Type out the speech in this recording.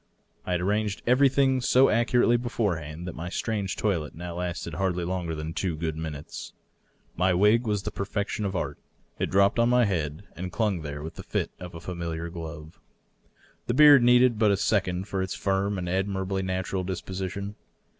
I had arranged everything so accurately beforehand that my strange toilet now lasted hardly longer than two good minutes. My wig was the perfection of art ; it dropped on my head and clung there with the fit of a ^miliar glove. The beard needed but a second for its firm and ad mirably natural disposition.